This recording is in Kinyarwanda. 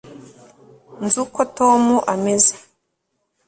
nzi uko tom ameze